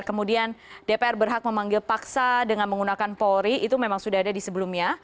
kemudian dpr berhak memanggil paksa dengan menggunakan polri itu memang sudah ada di sebelumnya